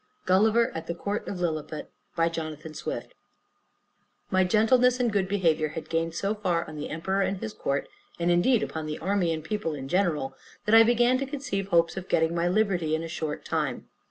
GULLIVER AT THE COURT OF LILLIPUT By Jonathan Swift My gentleness and good behavior had gained so far on the emperor and his court, and indeed upon the army and people in general, that I began to conceive hopes of getting my liberty in a short time.